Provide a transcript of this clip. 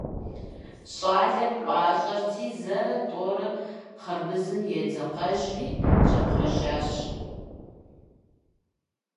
Щӏалэр пӏащӏэрти, зэрэ-тӏэурэ хъарбызым едзэкъэжри щӏэпхъуэжащ.